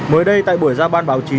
mới đây tại buổi ra ban báo chí